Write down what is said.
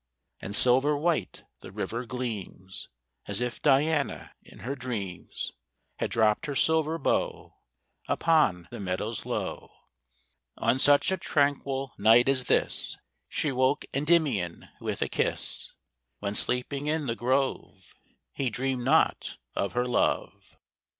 5 And silver white the river gleams, As if Diana, in her dreams, • Had dropt her silver bow Upon the meadows low. On such a tranquil night as this, io She woke Kndymion with a kis^, When, sleeping in tin grove, He dreamed not of her love.